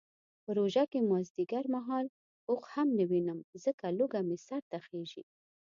په روژه کې مازدیګر مهال اوښ هم نه وینم ځکه لوږه مې سرته خیژي.